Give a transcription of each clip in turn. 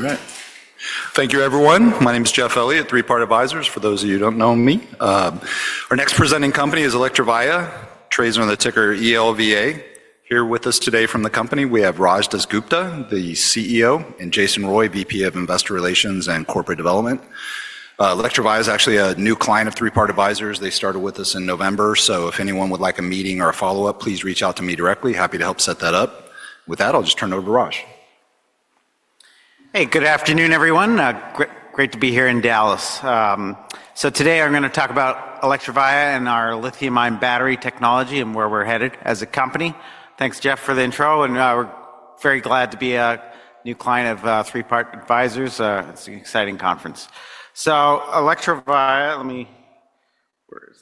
All right. Thank you, everyone. My name is Jeff Elliott at Three Part Advisors, for those of you who do not know me. Our next presenting company is Electrovaya, trades under the ticker ELVA. Here with us today from the company, we have Raj DasGupta, the CEO, and Jason Roy, VP of Investor Relations and Corporate Development. Electrovaya is actually a new client of Three Part Advisors. They started with us in November, so if anyone would like a meeting or a follow-up, please reach out to me directly. Happy to help set that up. With that, I will just turn it over to Raj. Hey, good afternoon, everyone. Great to be here in Dallas. Today I'm going to talk about Electrovaya and our lithium-ion battery technology and where we're headed as a company. Thanks, Jeff, for the intro. We're very glad to be a new client of Three Part Advisors. It's an exciting conference. Electrovaya, let me—where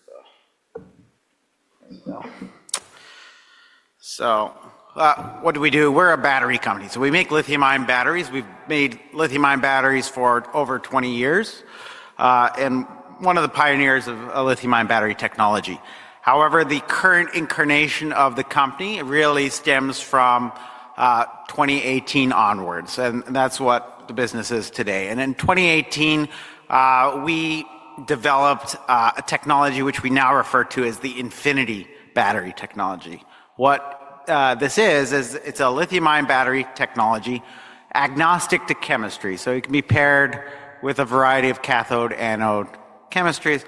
is the—what do we do? We're a battery company. We make lithium-ion batteries. We've made lithium-ion batteries for over 20 years and are one of the pioneers of lithium-ion battery technology. However, the current incarnation of the company really stems from 2018 onwards, and that's what the business is today. In 2018, we developed a technology which we now refer to as the Infinity Battery Technology. What this is, is it's a lithium-ion battery technology agnostic to chemistry. It can be paired with a variety of cathode-anode chemistries.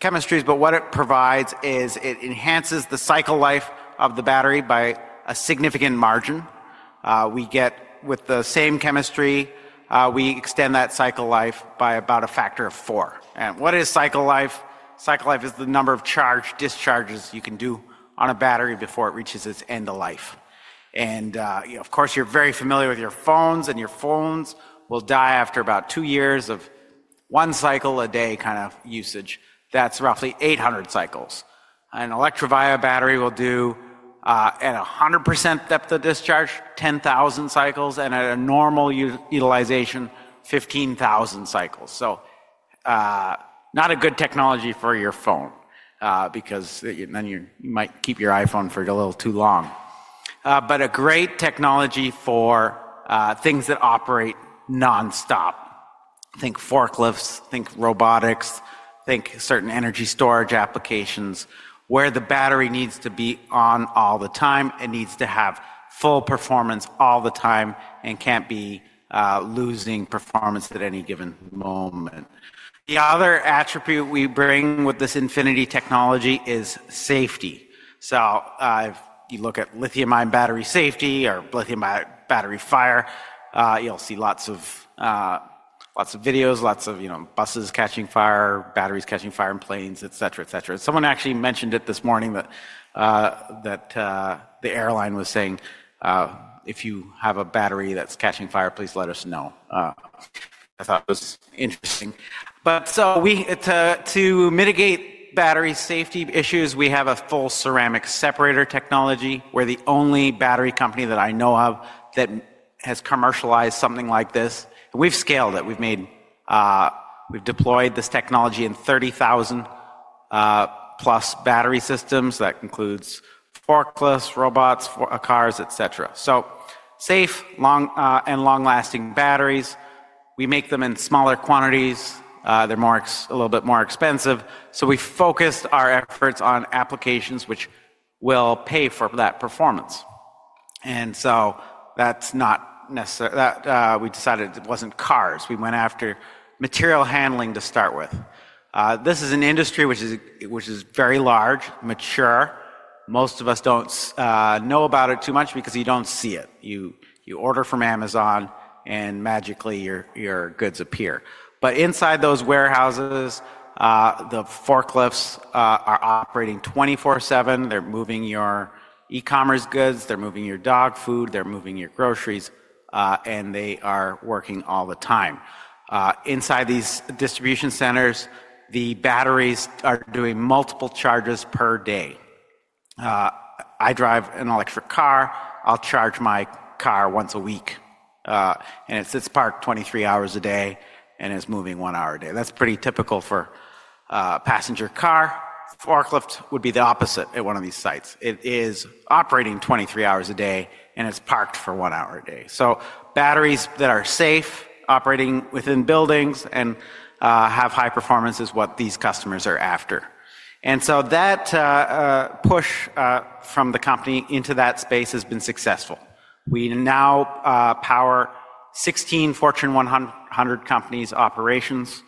Chemistries, but what it provides is it enhances the cycle life of the battery by a significant margin. We get, with the same chemistry, we extend that cycle life by about a factor of four. What is cycle life? Cycle life is the number of charge/discharges you can do on a battery before it reaches its end of life. Of course, you're very familiar with your phones, and your phones will die after about two years of one cycle a day kind of usage. That's roughly 800 cycles. An Electrovaya battery will do at 100% depth of discharge 10,000 cycles, and at a normal utilization, 15,000 cycles. Not a good technology for your phone because then you might keep your iPhone for a little too long. A great technology for things that operate nonstop. Think forklifts, think robotics, think certain energy storage applications where the battery needs to be on all the time. It needs to have full performance all the time and can't be losing performance at any given moment. The other attribute we bring with this Infinity technology is safety. If you look at lithium-ion battery safety or lithium-ion battery fire, you'll see lots of videos, lots of buses catching fire, batteries catching fire in planes, et cetera, et cetera. Someone actually mentioned it this morning that the airline was saying, "If you have a battery that's catching fire, please let us know." I thought it was interesting. To mitigate battery safety issues, we have a full ceramic separator technology. We're the only battery company that I know of that has commercialized something like this. We've scaled it. We've deployed this technology in 30,000-plus battery systems. That includes forklifts, robots, cars, et cetera. Safe and long-lasting batteries, we make them in smaller quantities. They're a little bit more expensive. We focused our efforts on applications which will pay for that performance. That is not necessarily—we decided it was not cars. We went after material handling to start with. This is an industry which is very large, mature. Most of us do not know about it too much because you do not see it. You order from Amazon, and magically, your goods appear. Inside those warehouses, the forklifts are operating 24/7. They are moving your e-commerce goods. They are moving your dog food. They are moving your groceries. They are working all the time. Inside these distribution centers, the batteries are doing multiple charges per day. I drive an electric car. I will charge my car once a week. It sits parked 23 hours a day and is moving one hour a day. That is pretty typical for a passenger car. A forklift would be the opposite at one of these sites. It is operating 23 hours a day, and it is parked for one hour a day. Batteries that are safe, operating within buildings, and have high performance is what these customers are after. That push from the company into that space has been successful. We now power 16 Fortune 100 companies' operations.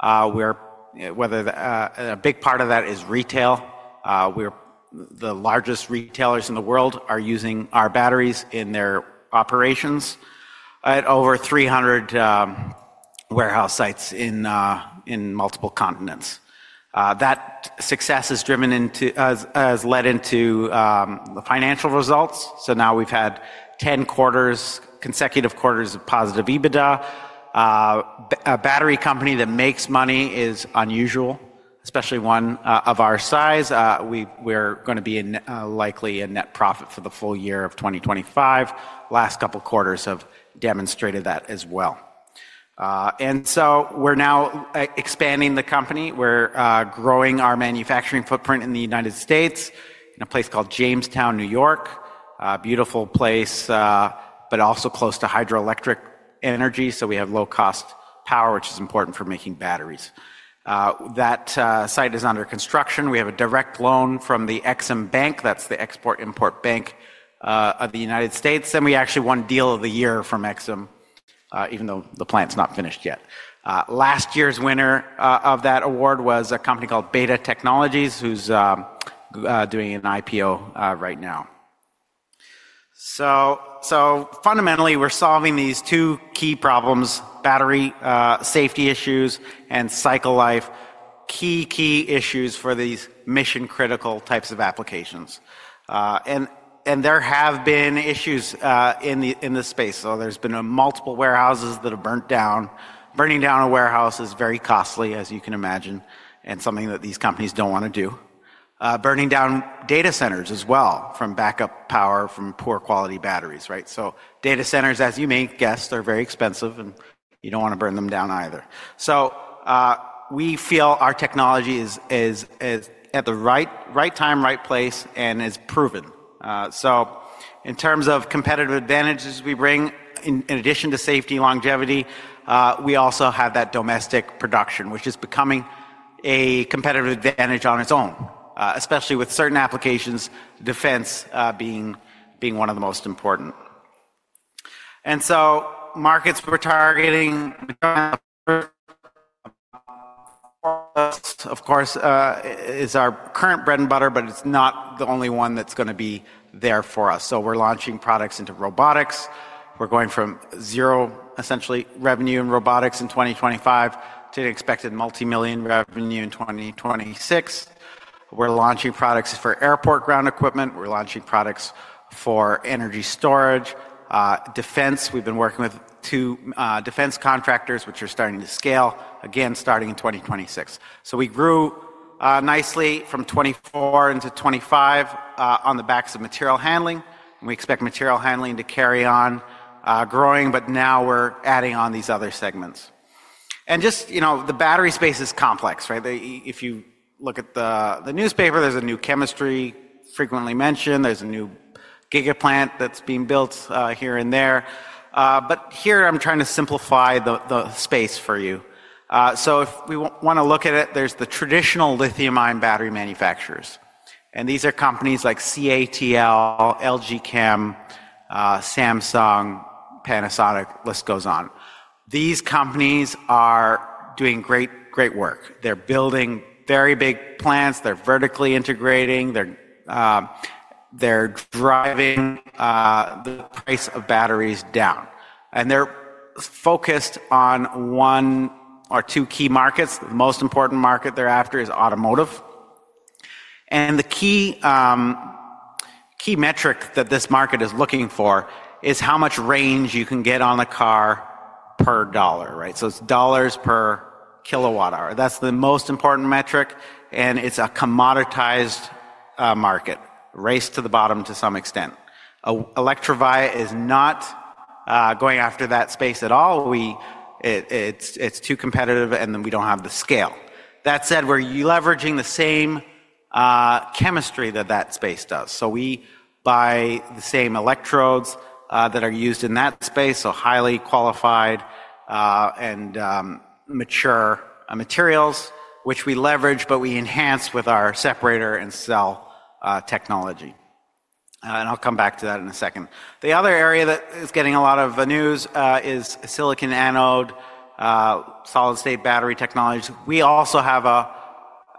A big part of that is retail, the largest retailers in the world are using our batteries in their operations at over 300 warehouse sites in multiple continents. That success has led into the financial results. We have had 10 consecutive quarters of positive EBITDA. A battery company that makes money is unusual, especially one of our size. We're going to be likely in net profit for the full year of 2025. Last couple of quarters have demonstrated that as well. We are now expanding the company. We're growing our manufacturing footprint in the United States in a place called Jamestown, New York, a beautiful place, but also close to hydroelectric energy. We have low-cost power, which is important for making batteries. That site is under construction. We have a direct loan from the EXIM Bank. That's the Export-Import Bank of the United States. We actually won Deal of the Year from EXIM, even though the plant's not finished yet. Last year's winner of that award was a company called Beta Technologies, who's doing an IPO right now. Fundamentally, we're solving these two key problems: battery safety issues and cycle life, key, key issues for these mission-critical types of applications. There have been issues in the space. There have been multiple warehouses that have burnt down. Burning down a warehouse is very costly, as you can imagine, and something that these companies do not want to do. Burning down data centers as well from backup power from poor-quality batteries, right? Data centers, as you may guess, are very expensive, and you do not want to burn them down either. We feel our technology is at the right time, right place, and is proven. In terms of competitive advantages we bring, in addition to safety and longevity, we also have that domestic production, which is becoming a competitive advantage on its own, especially with certain applications, defense being one of the most important. Markets we are targeting, of course, include our current bread and butter, but it is not the only one that is going to be there for us. We're launching products into robotics. We're going from zero, essentially, revenue in robotics in 2025 to expected multi-million revenue in 2026. We're launching products for airport ground equipment. We're launching products for energy storage. Defense, we've been working with two defense contractors, which are starting to scale, again, starting in 2026. We grew nicely from 2024 into 2025 on the backs of material handling. We expect material handling to carry on growing, but now we're adding on these other segments. Just the battery space is complex, right? If you look at the newspaper, there's a new chemistry frequently mentioned. There's a new gigaplant that's being built here and there. Here, I'm trying to simplify the space for you. If we want to look at it, there's the traditional lithium-ion battery manufacturers. These are companies like CATL, LG Chem, Samsung, Panasonic, the list goes on. These companies are doing great work. They're building very big plants. They're vertically integrating. They're driving the price of batteries down. They're focused on one or two key markets. The most important market they're after is automotive. The key metric that this market is looking for is how much range you can get on a car per dollar, right? It's dollars per kilowatt-hour. That's the most important metric. It's a commoditized market, raced to the bottom to some extent. Electrovaya is not going after that space at all. It's too competitive, and we don't have the scale. That said, we're leveraging the same chemistry that that space does. We buy the same electrodes that are used in that space, so highly qualified and mature materials, which we leverage, but we enhance with our separator and cell technology. I'll come back to that in a second. The other area that is getting a lot of news is silicon anode, solid-state battery technologies. We also have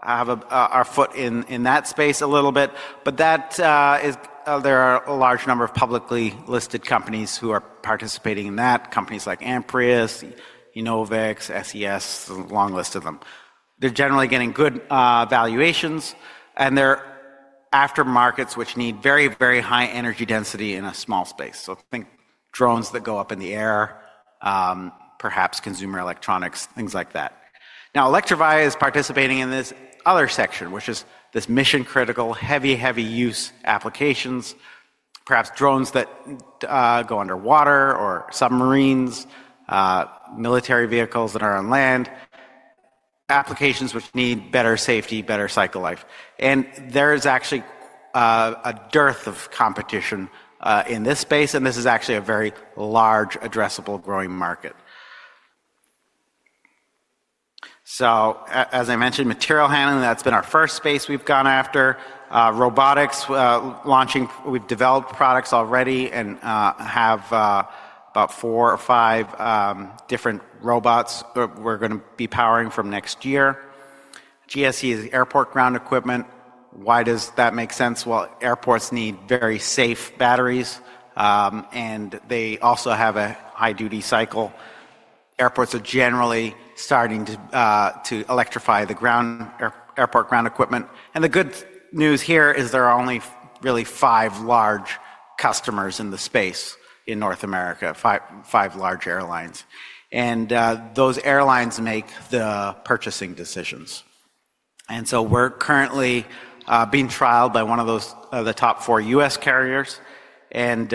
our foot in that space a little bit. There are a large number of publicly listed companies who are participating in that, companies like Amprius, Innovex, SES, a long list of them. They're generally getting good valuations. They're after markets which need very, very high energy density in a small space. Think drones that go up in the air, perhaps consumer electronics, things like that. Electrovaya is participating in this other section, which is this mission-critical, heavy, heavy-use applications, perhaps drones that go underwater or submarines, military vehicles that are on land, applications which need better safety, better cycle life. There is actually a dearth of competition in this space. This is actually a very large, addressable, growing market. As I mentioned, material handling, that's been our first space we've gone after. Robotics, launching, we've developed products already and have about four or five different robots that we're going to be powering from next year. GSE is airport ground equipment. Why does that make sense? Airports need very safe batteries, and they also have a high-duty cycle. Airports are generally starting to electrify the ground airport ground equipment. The good news here is there are only really five large customers in the space in North America, five large airlines. Those airlines make the purchasing decisions. We're currently being trialed by one of the top four U.S. carriers. We're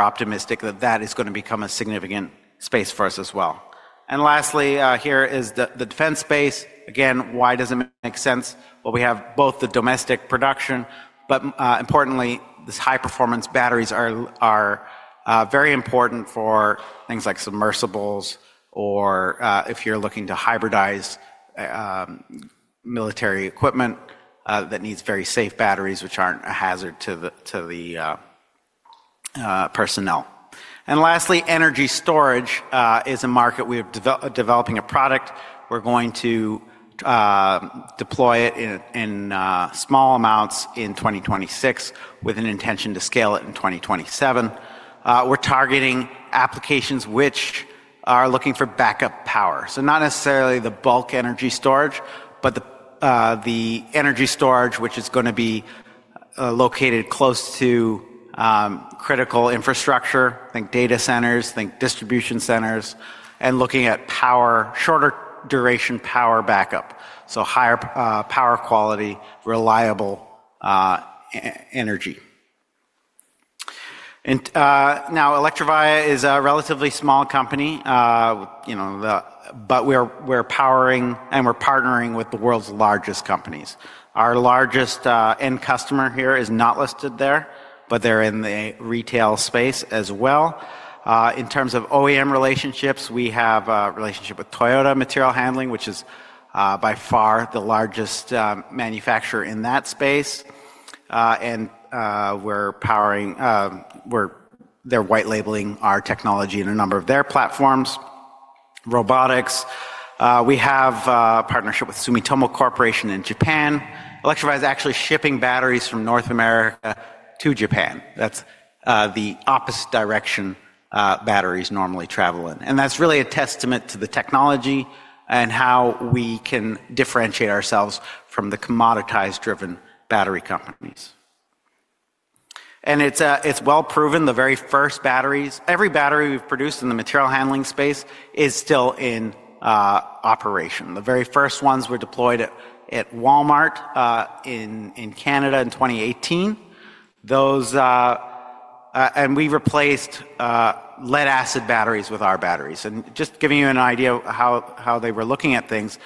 optimistic that that is going to become a significant space for us as well. Lastly, here is the defense space. Again, why does it make sense? We have both the domestic production, but importantly, these high-performance batteries are very important for things like submersibles or if you're looking to hybridize military equipment that needs very safe batteries, which aren't a hazard to the personnel. Lastly, energy storage is a market. We're developing a product. We're going to deploy it in small amounts in 2026 with an intention to scale it in 2027. We're targeting applications which are looking for backup power. Not necessarily the bulk energy storage, but the energy storage which is going to be located close to critical infrastructure, like data centers, like distribution centers, and looking at shorter-duration power backup. Higher power quality, reliable energy. Now, Electrovaya is a relatively small company, but we're powering and we're partnering with the world's largest companies. Our largest end customer here is not listed there, but they're in the retail space as well. In terms of OEM relationships, we have a relationship with Toyota Material Handling, which is by far the largest manufacturer in that space. We are white-labeling our technology in a number of their platforms. Robotics, we have a partnership with Sumitomo Corporation in Japan. Electrovaya is actually shipping batteries from North America to Japan. That is the opposite direction batteries normally travel in. That is really a testament to the technology and how we can differentiate ourselves from the commoditized-driven battery companies. It is well proven. The very first batteries, every battery we've produced in the material handling space is still in operation. The very first ones were deployed at Walmart in Canada in 2018. We replaced lead-acid batteries with our batteries. Just giving you an idea of how they were looking at things,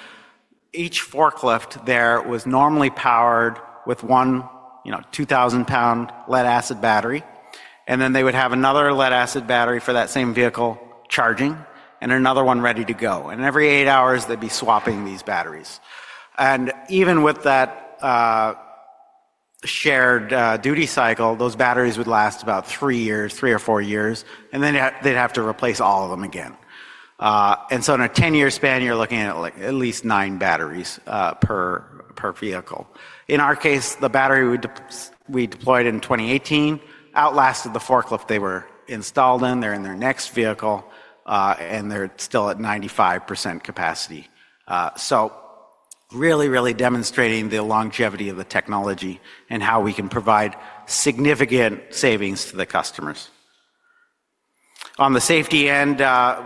each forklift there was normally powered with one 2,000 lb lead-acid battery. They would have another lead-acid battery for that same vehicle charging and another one ready to go. Every eight hours, they'd be swapping these batteries. Even with that shared duty cycle, those batteries would last about three years, three or four years. They'd have to replace all of them again. In a 10-year span, you're looking at at least nine batteries per vehicle. In our case, the battery we deployed in 2018 outlasted the forklift they were installed in. They're in their next vehicle, and they're still at 95% capacity. Really, really demonstrating the longevity of the technology and how we can provide significant savings to the customers. On the safety end,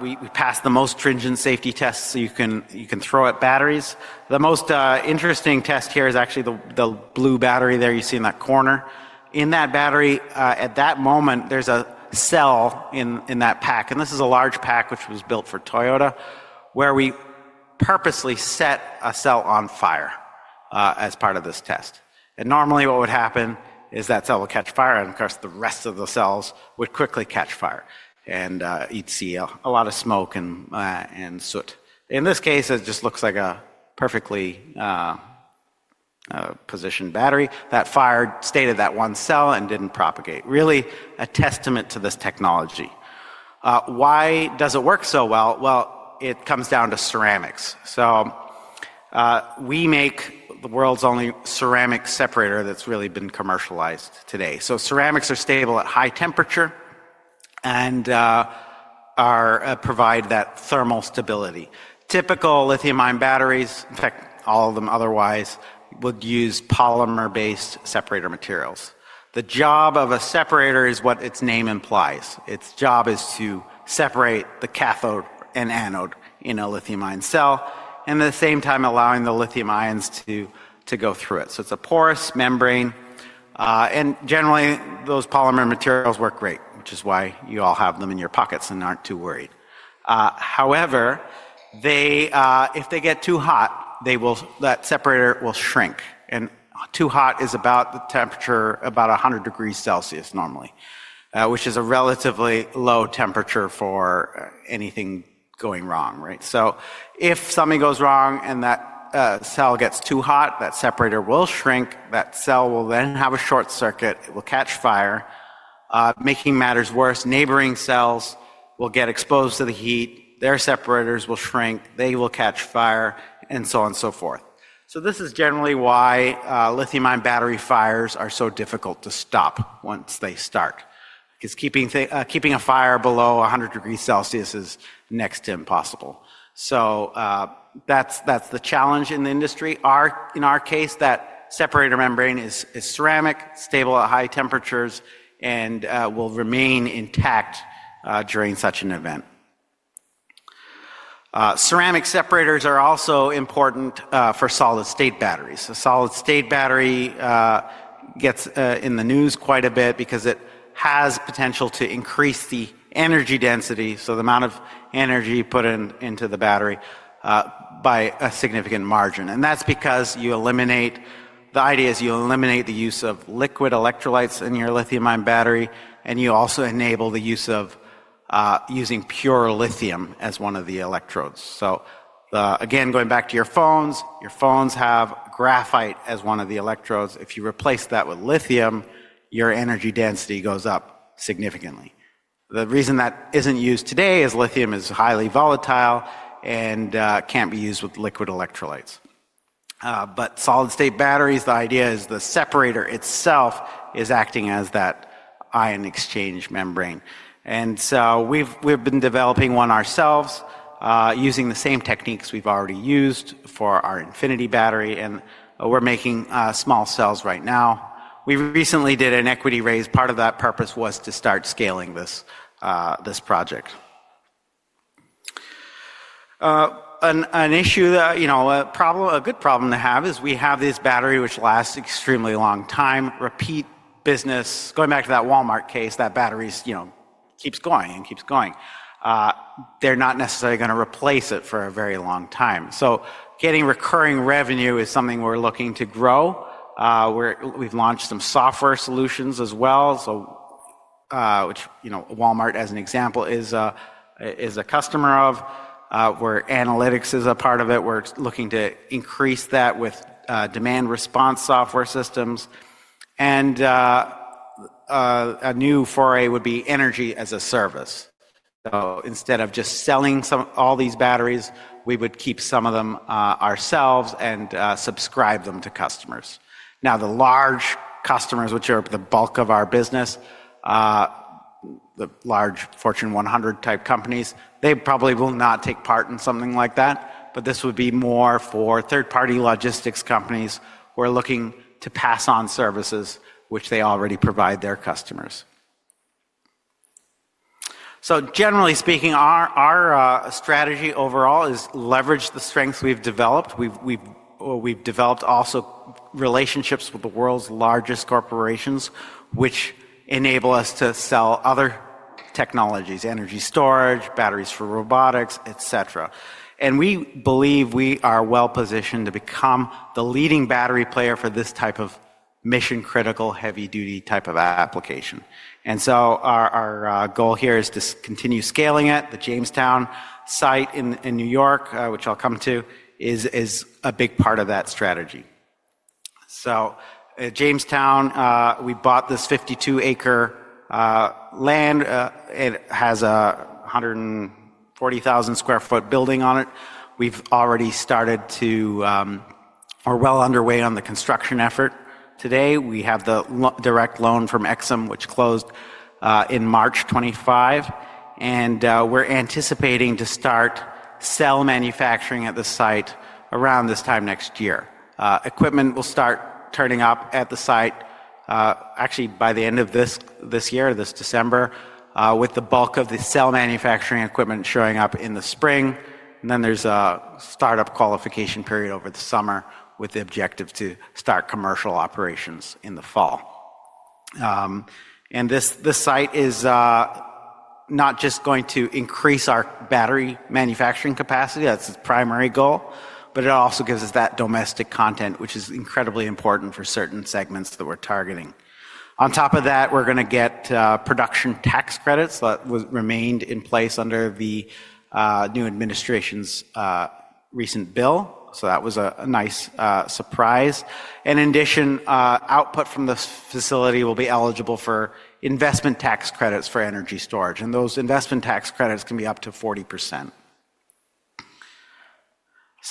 we passed the most stringent safety tests you can throw at batteries. The most interesting test here is actually the blue battery there you see in that corner. In that battery, at that moment, there's a cell in that pack. This is a large pack, which was built for Toyota, where we purposely set a cell on fire as part of this test. Normally, what would happen is that cell would catch fire. Of course, the rest of the cells would quickly catch fire and you'd see a lot of smoke and soot. In this case, it just looks like a perfectly positioned battery. That fire stayed in that one cell and didn't propagate. Really a testament to this technology. Why does it work so well? It comes down to ceramics. We make the world's only ceramic separator that's really been commercialized today. Ceramics are stable at high temperature and provide that thermal stability. Typical lithium-ion batteries, in fact, all of them otherwise, would use polymer-based separator materials. The job of a separator is what its name implies. Its job is to separate the cathode and anode in a lithium-ion cell and at the same time allowing the lithium ions to go through it. It is a porous membrane. Generally, those polymer materials work great, which is why you all have them in your pockets and are not too worried. However, if they get too hot, that separator will shrink. Too hot is about the temperature about 100 degrees Celsius normally, which is a relatively low temperature for anything going wrong, right? If something goes wrong and that cell gets too hot, that separator will shrink. That cell will then have a short circuit. It will catch fire. Making matters worse, neighboring cells will get exposed to the heat. Their separators will shrink. They will catch fire, and so on and so forth. This is generally why lithium-ion battery fires are so difficult to stop once they start, because keeping a fire below 100 degrees Celsius is next to impossible. That is the challenge in the industry. In our case, that separator membrane is ceramic, stable at high temperatures, and will remain intact during such an event. Ceramic separators are also important for solid-state batteries. A solid-state battery gets in the news quite a bit because it has potential to increase the energy density, so the amount of energy put into the battery by a significant margin. That is because the idea is you eliminate the use of liquid electrolytes in your lithium-ion battery, and you also enable the use of using pure lithium as one of the electrodes. Again, going back to your phones, your phones have graphite as one of the electrodes. If you replace that with lithium, your energy density goes up significantly. The reason that is not used today is lithium is highly volatile and cannot be used with liquid electrolytes. Solid-state batteries, the idea is the separator itself is acting as that ion exchange membrane. We have been developing one ourselves using the same techniques we have already used for our Infinity battery. We are making small cells right now. We recently did an equity raise. Part of that purpose was to start scaling this project. An issue, a good problem to have, is we have this battery which lasts an extremely long time. Repeat business. Going back to that Walmart case, that battery keeps going and keeps going. They're not necessarily going to replace it for a very long time. Getting recurring revenue is something we're looking to grow. We've launched some software solutions as well, which Walmart, as an example, is a customer of. Analytics is a part of it. We're looking to increase that with demand response software systems. A new foray would be energy as a service. Instead of just selling all these batteries, we would keep some of them ourselves and subscribe them to customers. Now, the large customers, which are the bulk of our business, the large Fortune 100 type companies, they probably will not take part in something like that. This would be more for third-party logistics companies who are looking to pass on services, which they already provide their customers. Generally speaking, our strategy overall is leverage the strengths we've developed. We've developed also relationships with the world's largest corporations, which enable us to sell other technologies, energy storage, batteries for robotics, etc. We believe we are well positioned to become the leading battery player for this type of mission-critical, heavy-duty type of application. Our goal here is to continue scaling it. The Jamestown site in New York, which I'll come to, is a big part of that strategy. Jamestown, we bought this 52-acre land. It has a 140,000 sq ft building on it. We've already started to or are well underway on the construction effort. Today, we have the direct loan from EXIM, which closed in March 2025. We are anticipating to start cell manufacturing at the site around this time next year. Equipment will start turning up at the site, actually, by the end of this year, this December, with the bulk of the cell manufacturing equipment showing up in the spring. There is a startup qualification period over the summer with the objective to start commercial operations in the fall. This site is not just going to increase our battery manufacturing capacity. That is its primary goal. It also gives us that domestic content, which is incredibly important for certain segments that we are targeting. On top of that, we are going to get production tax credits that remained in place under the new administration's recent bill. That was a nice surprise. In addition, output from the facility will be eligible for investment tax credits for energy storage. Those investment tax credits can be up to 40%.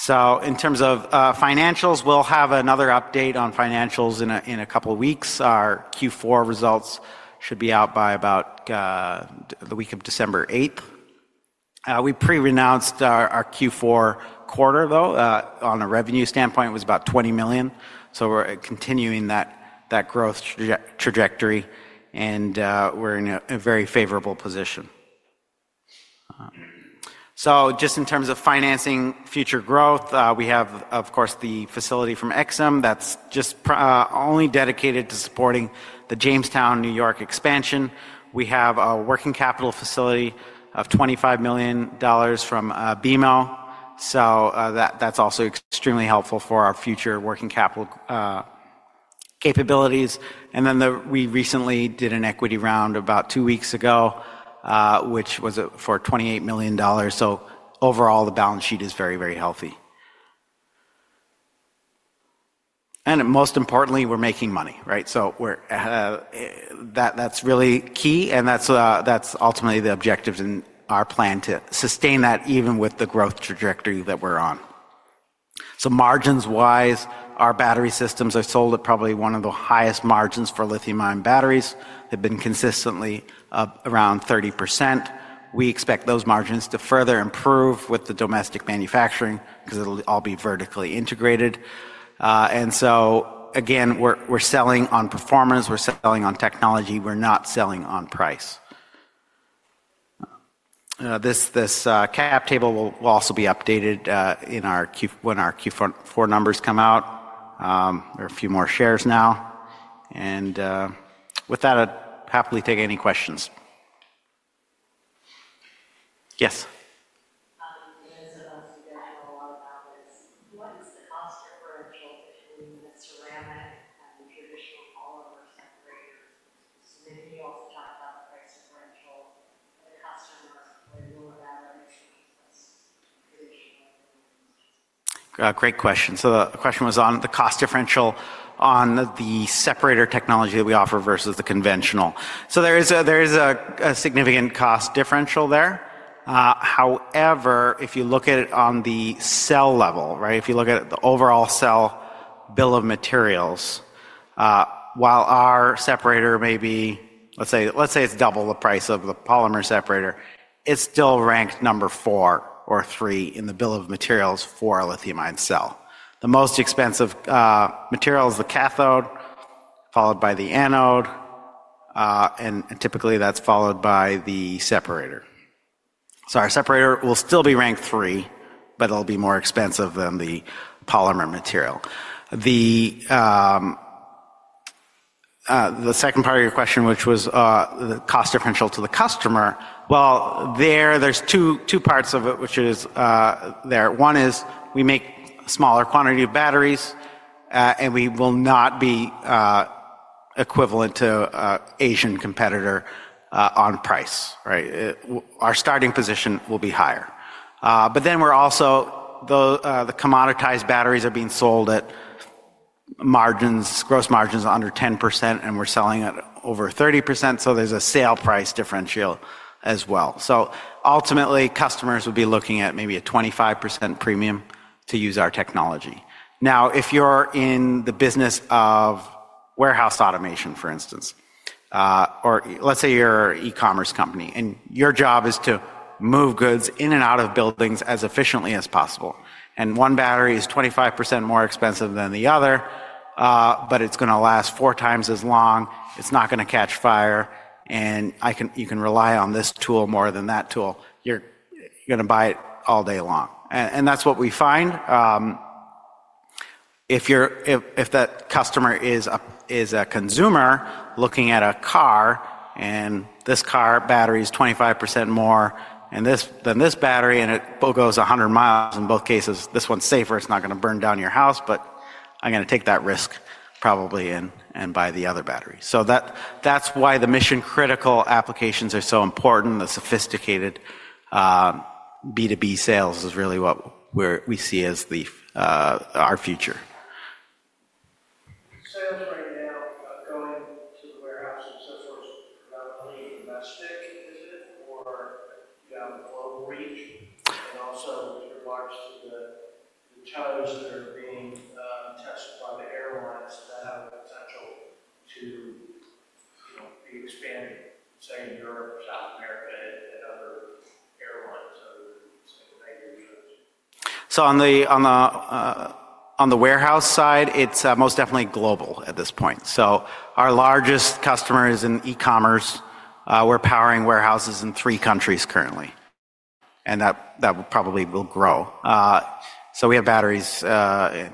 In terms of financials, we'll have another update on financials in a couple of weeks. Our Q4 results should be out by about the week of December 8th. We pre-announced our Q4 quarter, though. On a revenue standpoint, it was about $20 million. We're continuing that growth trajectory. We're in a very favorable position. In terms of financing future growth, we have, of course, the facility from EXIM that's just only dedicated to supporting the Jamestown, New York expansion. We have a working capital facility of $25 million from BMO. That's also extremely helpful for our future working capital capabilities. We recently did an equity round about two weeks ago, which was for $28 million. Overall, the balance sheet is very, very healthy. Most importantly, we're making money, right? That is really key. That is ultimately the objective in our plan to sustain that even with the growth trajectory that we are on. Margins-wise, our battery systems are sold at probably one of the highest margins for lithium-ion batteries. They have been consistently around 30%. We expect those margins to further improve with the domestic manufacturing because it will all be vertically integrated. Again, we are selling on performance. We are selling on technology. We are not selling on price. This cap table will also be updated when our Q4 numbers come out. There are a few more shares now. With that, I would happily take any questions. Yes. The business has a lot of values. What is the cost differential between the ceramic and the traditional polymer separator? Maybe you also talked about the price differential. The customers really want to have an extra piece of traditional. Great question. The question was on the cost differential on the separator technology that we offer versus the conventional. There is a significant cost differential there. However, if you look at it on the cell level, if you look at the overall cell bill of materials, while our separator may be, let's say it's double the price of the polymer separator, it's still ranked number four or three in the bill of materials for a lithium-ion cell. The most expensive material is the cathode, followed by the anode. Typically, that's followed by the separator. Our separator will still be ranked three, but it'll be more expensive than the polymer material. The second part of your question, which was the cost differential to the customer, there are two parts of it, which is there. One is we make a smaller quantity of batteries, and we will not be equivalent to an Asian competitor on price, right? Our starting position will be higher. Our commoditized batteries are being sold at gross margins under 10%, and we're selling at over 30%. There is a sale price differential as well. Ultimately, customers would be looking at maybe a 25% premium to use our technology. If you're in the business of warehouse automation, for instance, or let's say you're an e-commerce company, and your job is to move goods in and out of buildings as efficiently as possible, and one battery is 25% more expensive than the other, but it's going to last four times as long, it's not going to catch fire, and you can rely on this tool more than that tool, you're going to buy it all day long. That's what we find. If that customer is a consumer looking at a car, and this car battery is 25% more than this battery, and it goes 100 mi in both cases, this one's safer. It's not going to burn down your house, but I'm going to take that risk probably and buy the other battery. That is why the mission-critical applications are so important. The sophisticated B2B sales is really what we see as our future. Right now, going to the warehouse and so forth, is that a leading domestic visit or down the global reach? Also, with regards to the tones that are being tested by the airlines, does that have a potential to be expanding, say, in Europe or South America and other airlines other than, say, the major U.S.? On the warehouse side, it's most definitely global at this point. Our largest customer is in e-commerce. We're powering warehouses in three countries currently. That probably will grow. We have batteries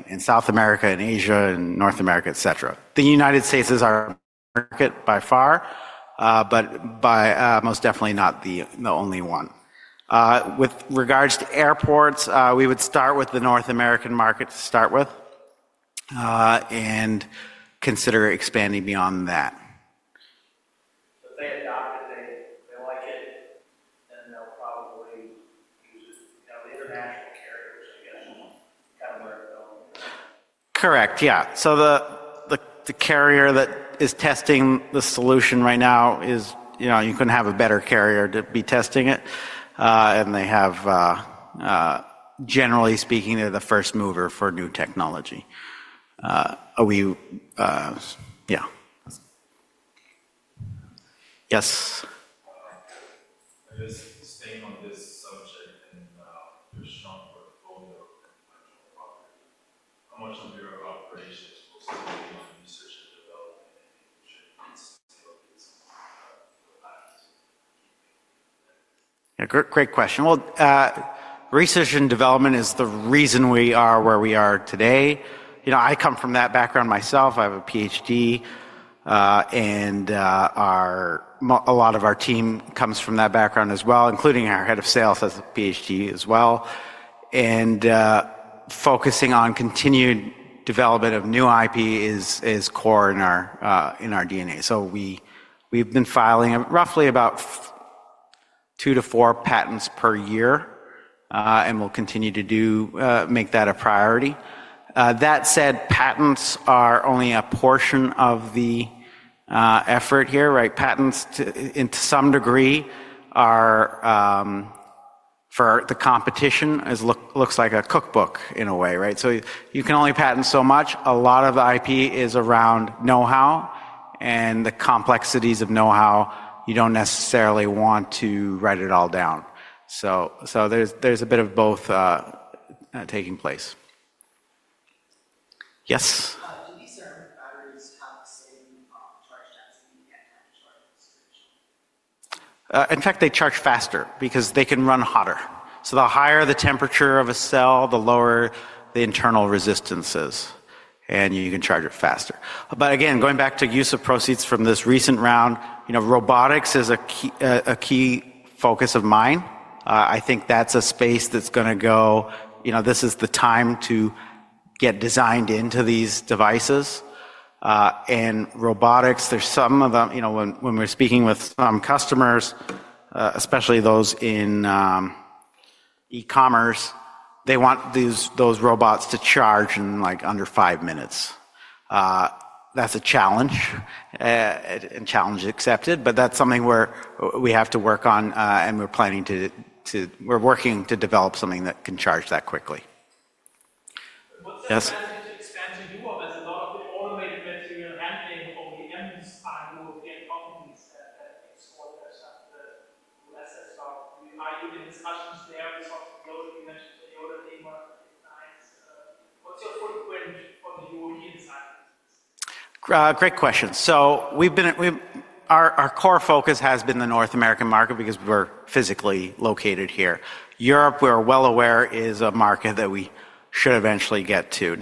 in South America and Asia and North America, etc. The United States is our market by far, but most definitely not the only one. With regards to airports, we would start with the North American market to start with and consider expanding beyond that. If they adopt it, they like it, then they'll probably use it. The international carriers, I guess, kind of learn their own. Correct. The carrier that is testing the solution right now is, you couldn't have a better carrier to be testing it. They have, generally speaking, they're the first mover for new technology. Yes. I guess staying on this subject and your strong portfolio of intellectual property, how much of your operation is focused on research and development and training and sales? Great question. Research and development is the reason we are where we are today. I come from that background myself. I have a PhD. A lot of our team comes from that background as well, including our head of sales has a PhD as well. Focusing on continued development of new IP is core in our DNA. We have been filing roughly about two to four patents per year and will continue to make that a priority. That said, patents are only a portion of the effort here, right? Patents, to some degree, are for the competition, looks like a cookbook in a way, right? You can only patent so much. A lot of the IP is around know-how. The complexities of know-how, you do not necessarily want to write it all down. There is a bit of both taking place. Yes. Do these batteries have the same charge density at temperature or distribution? In fact, they charge faster because they can run hotter. The higher the temperature of a cell, the lower the internal resistances. You can charge it faster. Going back to use of proceeds from this recent round, robotics is a key focus of mine. I think that is a space that is going to go, this is the time to get designed into these devices. Robotics, there are some of them when we are speaking with some customers, especially those in e-commerce, they want those robots to charge in under five minutes. That is a challenge and challenge accepted. That's something where we have to work on. We're planning to, we're working to develop something that can charge that quickly. Yes. Expand to you or there's a lot of the automated material handling of the MSI European companies that export their assets out. Are you in discussions there with Toyota? You mentioned Toyota, they want to be behind. What's your footprint on the European side? Great question. Our core focus has been the North American market because we're physically located here. Europe, we're well aware, is a market that we should eventually get to.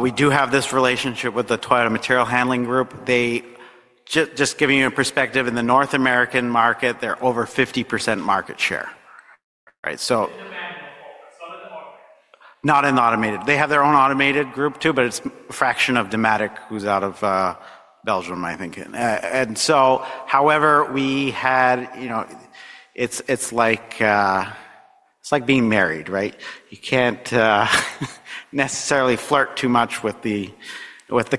We do have this relationship with the Toyota Material Handling Group. Just giving you a perspective, in the North American market, they're over 50% market share. Right. Some of them are automated. Not in automated. They have their own automated group too, but it's a fraction of Dematic who's out of Belgium, I think. However, we had, it's like being married, right? You can't necessarily flirt too much with the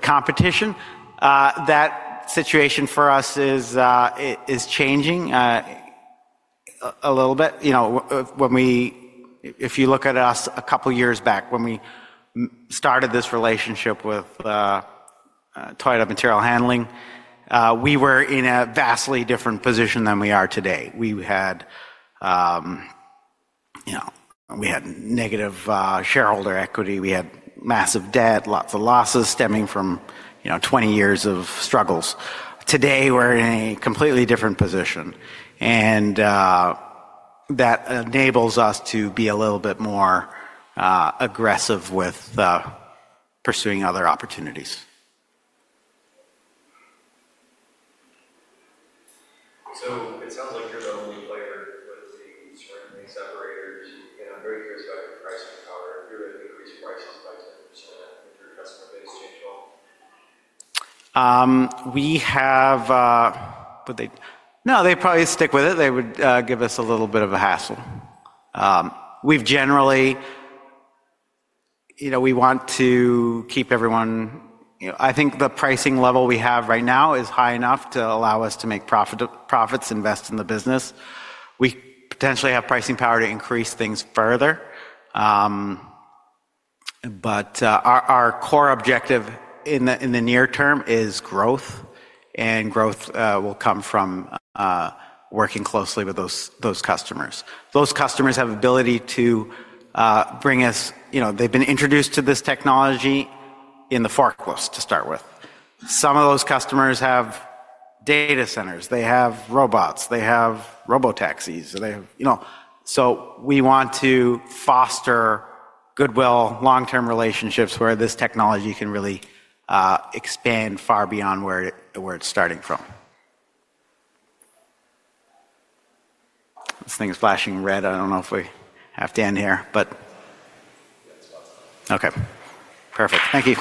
competition. That situation for us is changing a little bit. If you look at us a couple of years back, when we started this relationship with Toyota Material Handling, we were in a vastly different position than we are today. We had negative shareholder equity. We had massive debt, lots of losses stemming from 20 years of struggles. Today, we're in a completely different position. That enables us to be a little bit more aggressive with pursuing other opportunities. It sounds like you're the only player with the ceramic separators. I'm very curious about your pricing power. If you were to increase prices by 10%, would your customer base change at all? We have no, they'd probably stick with it. They would give us a little bit of a hassle. We've generally we want to keep everyone. I think the pricing level we have right now is high enough to allow us to make profits, invest in the business. We potentially have pricing power to increase things further. Our core objective in the near term is growth. Growth will come from working closely with those customers. Those customers have the ability to bring us, they've been introduced to this technology in the forklifts to start with. Some of those customers have data centers. They have robots. They have robotaxis. We want to foster goodwill, long-term relationships where this technology can really expand far beyond where it's starting from. This thing is flashing red. I don't know if we have Dan here, but yeah, it's spot on. Okay. Perfect. Thank you.